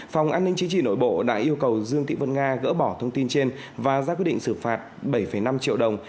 phòng an ninh chính trị nội bộ đã yêu cầu dương thị vân nga gỡ bỏ thông tin trên và ra quyết định xử phạt bảy năm triệu đồng